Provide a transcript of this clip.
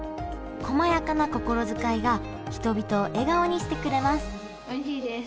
こまやかな心遣いが人々を笑顔にしてくれますおいしいです。